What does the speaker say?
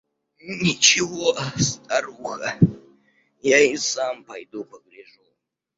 – «Ничего, старуха, я и сам пойду погляжу».